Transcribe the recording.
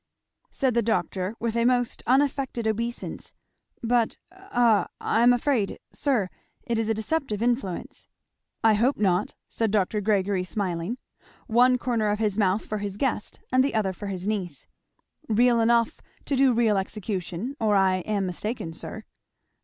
said the doctor with a most unaffected obeisance, "but a I am afraid, sir, it is a deceptive influence!" "I hope not," said Dr. Gregory smiling, one corner of his mouth for his guest and the other for his niece. "Real enough to do real execution, or I am mistaken, sir."